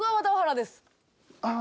ああ。